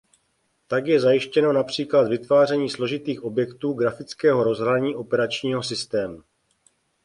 Tak je zajištěno například vytváření složitých objektů grafického rozhraní operačního systému.